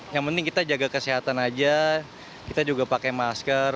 yang penting kita jaga kesehatan aja kita juga pakai masker